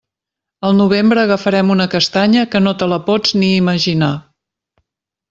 Al novembre agafarem una castanya que no te la pots ni imaginar.